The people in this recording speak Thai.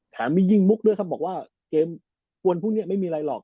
แถมมียิงมุกด้วยครับบอกว่าเกมวันพรุ่งนี้ไม่มีอะไรหรอก